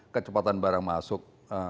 kecepatan barang masuk